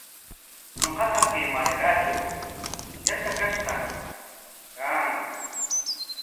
Ñuqaqa kay markatraw yatrakash kaañam.